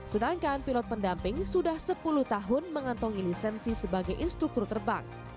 sedangkan pilot pendamping sudah sepuluh tahun mengantongi lisensi sebagai instruktur terbang